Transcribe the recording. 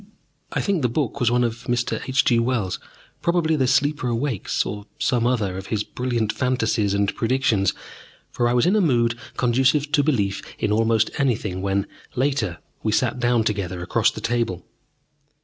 I think the book was one of Mr. H. G. Wells', probably "The Sleeper Awakes," or some other of his brilliant fantasies and predictions, for I was in a mood conducive to belief in almost anything when, later, we sat down together across the table.